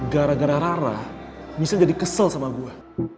gara gara rara misalnya jadi kesel sama gue